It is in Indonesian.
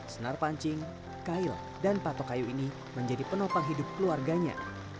senar pancing kail dan patok kayu ini menjadi penopang hidup keluarganya